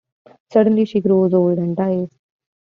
Suddenly she grows old and dies.